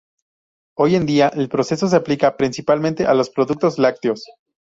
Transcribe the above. Hoy en día, el proceso se aplica principalmente a los productos lácteos.